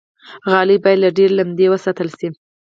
غالۍ باید له ډېرې لمدې وساتل شي.